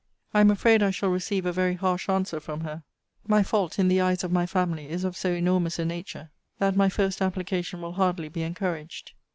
I am afraid I shall receive a very harsh answer from her: my fault, in the eyes of my family, is of so enormous a nature, that my first application will hardly be encouraged.